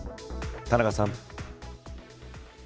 田中さん。